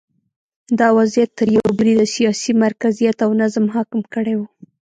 دا وضعیت تر یوه بریده سیاسي مرکزیت او نظم حاکم کړی و